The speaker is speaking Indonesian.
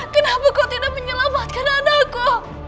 kenapa kau tidak menyelamatkan anakku